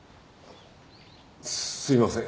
すいません。